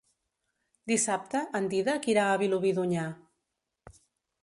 Dissabte en Dídac irà a Vilobí d'Onyar.